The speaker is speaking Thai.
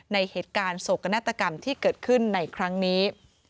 ในเหตุการณ์โศกนาฏกรรมที่เกิดขึ้นในครั้งนี้